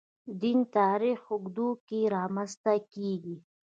دین تاریخ اوږدو کې رامنځته کېږي.